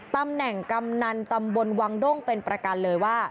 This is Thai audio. ตำแหน่งกำนันตำบลวังด้งเป็นประกันเลยว่า